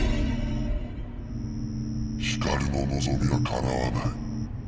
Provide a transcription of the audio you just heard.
ヒカルの望みはかなわない。